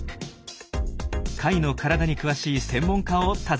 貝の体に詳しい専門家を訪ねました。